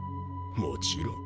もちろん。